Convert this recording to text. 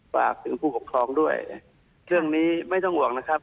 ฝากถึงผู้ปกครองด้วยเรื่องนี้ไม่ต้องห่วงนะครับ